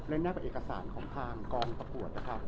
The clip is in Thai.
และน่าเป็นเอกสารของทางก่อนประกวด